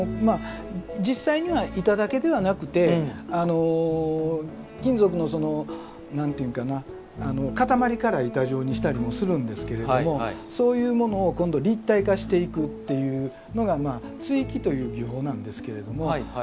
実際には板だけではなくて金属の何て言うんかな塊から板状にしたりもするんですけれどもそういうものを今度立体化していくっていうのが鎚起という技法なんですけれども。